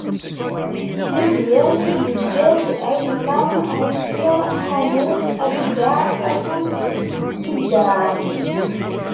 Midyan iǧǧa-d: Ɛiyfa, Ɛifiṛ, Ḥanux, Abidaɛ akked Ildaɛa.